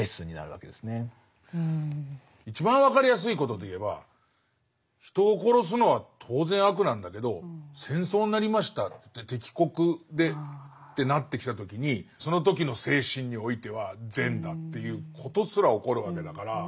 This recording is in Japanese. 一番分かりやすいことでいえば人を殺すのは当然悪なんだけど戦争になりましたって敵国でってなってきた時にその時の精神においては善だということすら起こるわけだから。